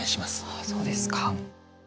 ああそうですか。